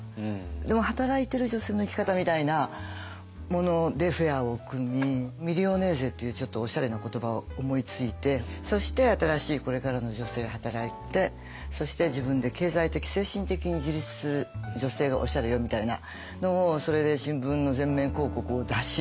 でも働いてる女性の生き方みたいなものでフェアを組み「ミリオネーゼ」っていうちょっとおしゃれな言葉を思いついてそして新しいこれからの女性は働いてそして自分で経済的精神的に自立する女性がおしゃれよみたいなのをそれで新聞の全面広告を出し。